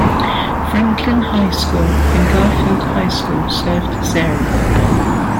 Franklin High School and Garfield High School serve this area.